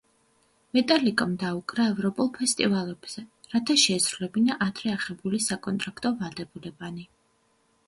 მეტალიკამ დაუკრა ევროპულ ფესტივალებზე, რათა შეესრულებინა ადრე აღებული საკონტრაქტო ვალდებულებანი.